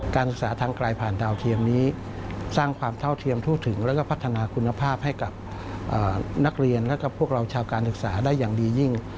การศึกษาทางไกลผ่านดาวเทียมนี้สร้างความเท่าเทียมทั่วถึงแล้วก็พัฒนาคุณภาพให้กับนักเรียนและพวกเราชาวการศึกษาได้อย่างดียิ่ง